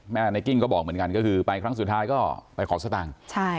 ในกิ้งก็บอกเหมือนกันก็คือไปครั้งสุดท้ายก็ไปขอสตางค์